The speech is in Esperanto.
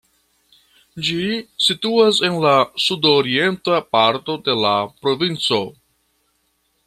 Ĝi situas en la sudorienta parto de la provinco.